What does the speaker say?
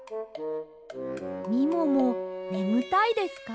みももねむたいですか？